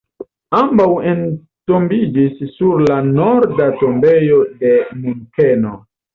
Ambaŭ entombiĝis sur la norda tombejo de Munkeno.